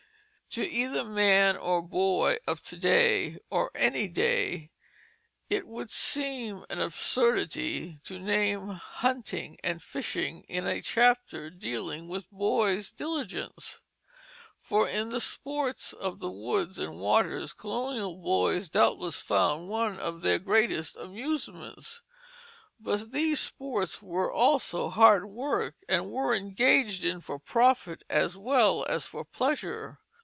To either man or boy of to day or any day it would seem an absurdity to name hunting and fishing in a chapter dealing with boys' diligence; for in the sports of the woods and waters colonial boys doubtless found one of their greatest amusements. But these sports were also hard work and were engaged in for profit as well as for pleasure.